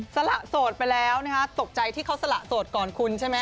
สละโสดไปแล้วนะคะตกใจที่เขาสละโสดก่อนคุณใช่ไหม